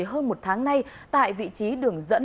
hơn một tháng nay tại vị trí đường dẫn